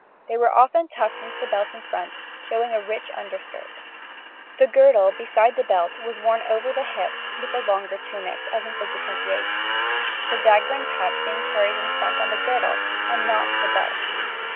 They were often tucked into the belt in front, showing a rich underskirt. A girdle (besides a belt) was worn on the hips with the longer tunics, as in Fig. 28 (see p. 94), the dagger and pouch being carried in front on the girdle, and not the belt.